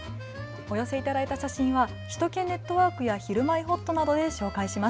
お寄せいただいた写真は首都圏ネットワークやひるまえほっとなどで紹介します。